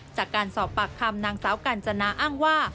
จากการสอบปากคำนางสาวกัญจนาอ้างว่า